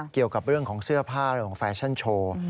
เกี่ยวกับเรื่องของเสื้อผ้าเรื่องของแฟชั่นโชว์